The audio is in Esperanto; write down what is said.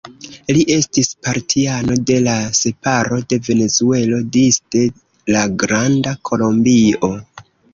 Li estis partiano de la separo de Venezuelo disde la Granda Kolombio.